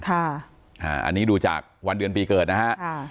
อันนี้ดูจากวันเดือนปีเกิดนะฮะ